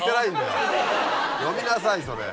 読みなさいそれ。